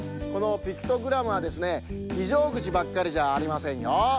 このピクトグラムはですねひじょうぐちばっかりじゃありませんよ。